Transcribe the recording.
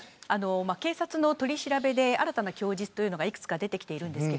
警察の取り調べで新たな供述が出てきています。